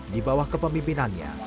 di bawah kepemimpinannya